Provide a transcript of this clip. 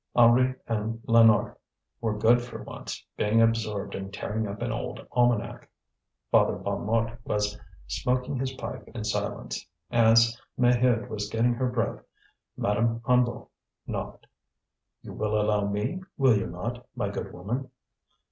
Henri and Lénore were good for once, being absorbed in tearing up an old almanac. Father Bonnemort was smoking his pipe in silence. As Maheude was getting her breath Madame Hennebeau knocked. "You will allow me, will you not, my good woman?"